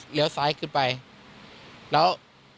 เหลียวซ้ายขึ้นไปแล้ว